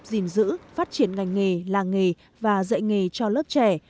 gìn giữ phát triển ngành nghề làng nghề và dạy nghề cho lớp trẻ